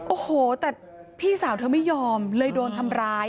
โอ้โหแต่พี่สาวเธอไม่ยอมเลยโดนทำร้าย